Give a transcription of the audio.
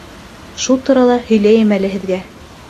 Шул турала һөйләйем әле һеҙгә.